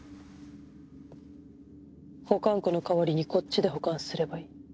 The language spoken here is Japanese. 保管庫の代わりにこっちで保管すればいい。